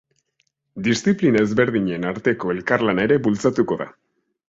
Diziplina ezberdinen arteko elkarlana ere bultzatuko da.